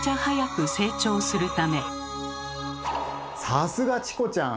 さすがチコちゃん！